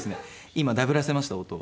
今ダブらせました音を。